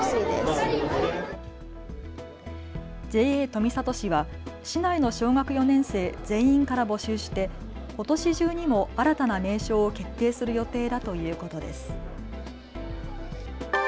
ＪＡ富里市は市内の小学４年生全員から募集して、ことし中にも新たな名称を決定する予定だということです。